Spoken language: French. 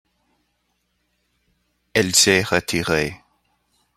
Elle s’est retirée.